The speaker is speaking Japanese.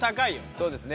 そうですね。